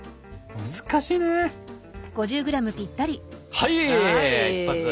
はい一発。